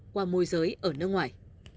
qua môi giới ở nước ngoài